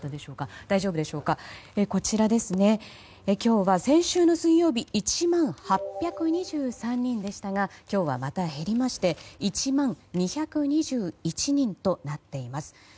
こちら今日は、先週の水曜日１万８２３人でしたが今日は、また減りまして１万２２１人となっています。